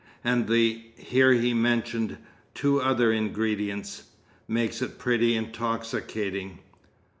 "And the" (here he mentioned two other ingredients) "makes it pretty intoxicating.